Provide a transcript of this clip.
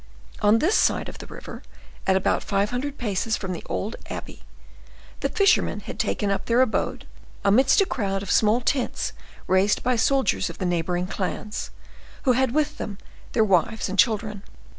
On this side of the river, at about five hundred paces from the old abbey, the fishermen had taken up their abode amidst a crowd of small tents raised by soldiers of the neighboring clans, who had with them their wives and children.